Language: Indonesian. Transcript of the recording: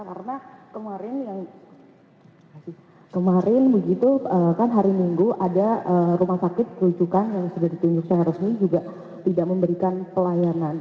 karena kemarin kemarin begitu kan hari minggu ada rumah sakit kerucukan yang sudah ditunjukkan resmi juga tidak memberikan pelayanan